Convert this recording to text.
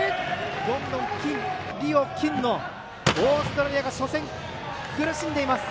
ロンドン金、リオ金のオーストラリアが初戦、苦しんでいます。